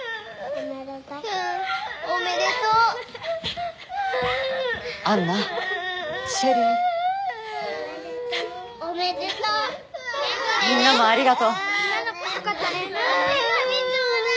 みんなもありがとう。